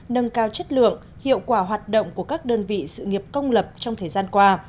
nâng cao chất lượng hiệu quả hoạt động của các đơn vị sự nghiệp công lập trong thời gian qua